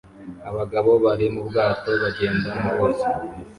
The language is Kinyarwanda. Abagabo bari mu bwato bagenda mu ruzi